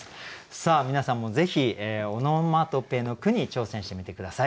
さあ皆さんもぜひオノマトペの句に挑戦してみて下さい。